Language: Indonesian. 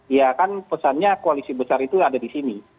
ya kan pesannya koalisi besar itu ada di sini